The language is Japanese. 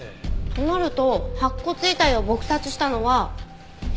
となると白骨遺体を撲殺したのはえり子さん？